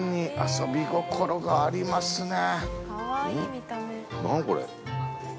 遊び心がありますね。